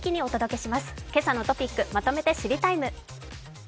「けさのトピックまとめて知りＴＩＭＥ，」。